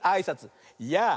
「やあ！」。